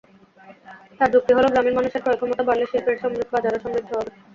তাঁর যুক্তি হলো, গ্রামীণ মানুষের ক্রয়ক্ষমতা বাড়লে শিল্পের বাজারও সমৃদ্ধ হবে।